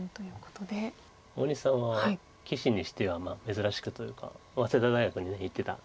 大西さんは棋士にしては珍しくというか早稲田大学に行ってた。